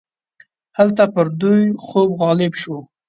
هلته پر دوی خوب غالب شو.